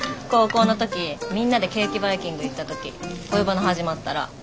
高校の時みんなでケーキバイキング行った時恋バナ始まったら。